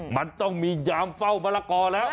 มันต้องมียามเฝ้ามะละกอแล้ว